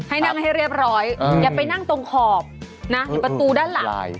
ให้นั่งให้เรียบร้อยอย่าไปนั่งตรงขอบนะอยู่ประตูด้านหลัง